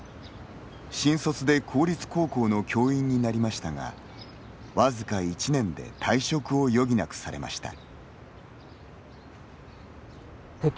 新卒で公立高校の教員になりましたが僅か１年で退職を余儀なくされました。